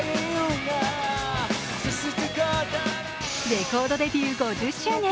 レコードデビュー５０周年。